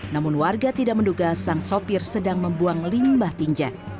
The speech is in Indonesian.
namun warga tidak menduga sang sopir sedang membuang limbah tinja